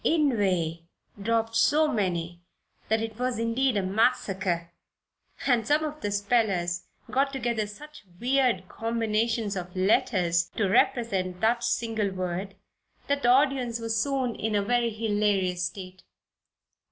"Inveigh" dropped so many that it was indeed a massacre, and some of the nervous spellers got together such weird combinations of letters to represent that single word that the audience was soon in a very hilarious state.